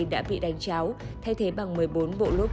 đã bị đánh cháo thay thế bằng một mươi bốn bộ lúc